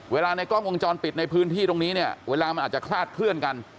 ในกล้องวงจรปิดในพื้นที่ตรงนี้เนี่ยเวลามันอาจจะคลาดเคลื่อนกัน